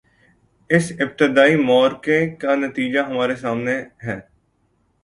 اس ابتدائی معرکے کا نتیجہ ہمارے سامنے ہے۔